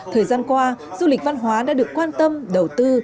thời gian qua du lịch văn hóa đã được quan tâm đầu tư